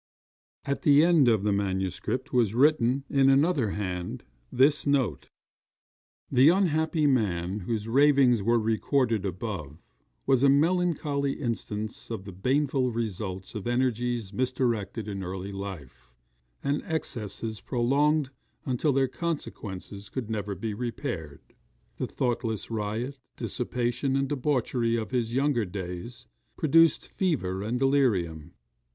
At the end of the manuscript was written, in another hand, this note: [The unhappy man whose ravings are recorded above, was a melancholy instance of the baneful results of energies misdirected in early life, and excesses prolonged until their consequences could never be repaired. The thoughtless riot, dissipation, and debauchery of his younger days produced fever and delirium.